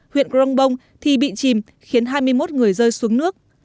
huyện crong bông thì bị chìm khiến hai mươi một người rơi xuống nước